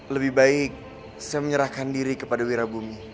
lebih baik saya menyerahkan diri kepada wirabumi